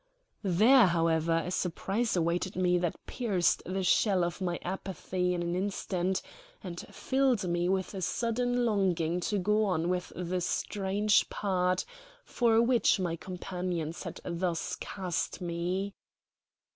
There, however, a surprise awaited me that pierced the shell of my apathy in an instant, and filled me with a sudden longing to go on with the strange part for which my companions had thus cast me.